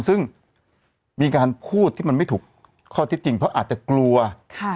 ซึ่งมีการพูดที่มันไม่ถูกข้อเท็จจริงเพราะอาจจะกลัวค่ะ